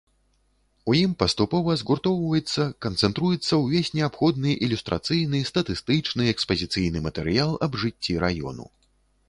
У ім паступова згуртоўваецца, канцэнтруецца ўвесь неабходны ілюстрацыйны, статыстычны, экспазіцыйны матэрыял аб жыцці раёну.